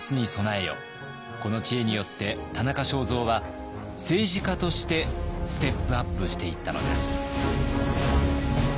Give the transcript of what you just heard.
この知恵によって田中正造は政治家としてステップアップしていったのです。